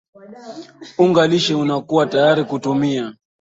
unga lishe unakua tayari kutumia